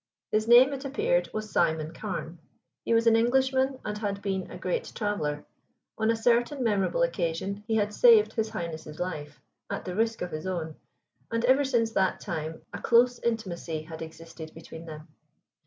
His name, it appeared, was Simon Carne. He was an Englishman and had been a great traveller. On a certain memorable occasion he had saved His Highness' life at the risk of his own, and ever since that time a close intimacy had existed between them.